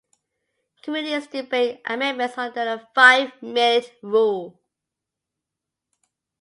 Committees debate amendments under the five-minute rule.